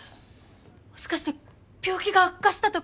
もしかして病気が悪化したとか？